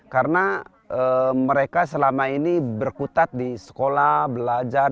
karena mereka selama ini berkutat di sekolah belajar